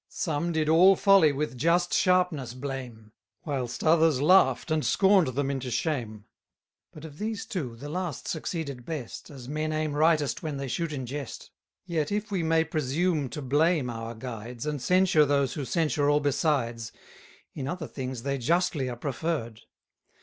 Some did all folly with just sharpness blame, Whilst others laugh'd and scorn'd them into shame. But of these two, the last succeeded best, As men aim rightest when they shoot in jest. 20 Yet, if we may presume to blame our guides, And censure those who censure all besides, In other things they justly are preferr'd.